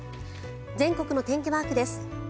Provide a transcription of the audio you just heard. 全国の天気マークです。